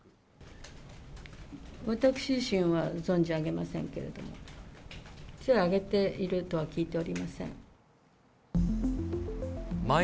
私自身は存じ上げませんけれども、手を挙げているとは聞いておりません。